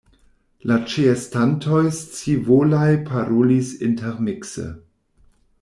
La ĉeestantoj scivolaj parolis intermikse: